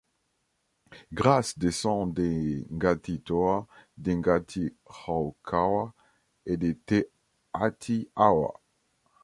Grace descend des Ngati Toa, des Ngati Raukawa et des Te Ati Awa.